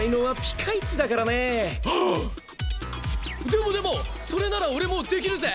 でもでもそれなら俺もうできるぜ。